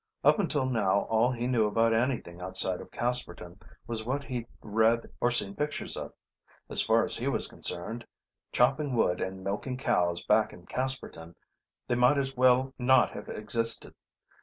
Up until now all he knew about anything outside of Casperton was what he'd read or seen pictures of. As far as he was concerned, chopping wood and milking cows back in Casperton, they might as well not have existed.